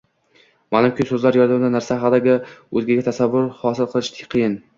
Ma’lumki, so‘zlar yordamida narsa haqida o‘zgada tasavvur hosil qilish qiyin